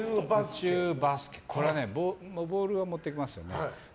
これはボールを持っていきますよね。